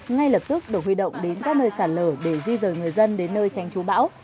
ngay lập tức được huy động đến các nơi sản lở để di rời người dân đến nơi tranh chú bão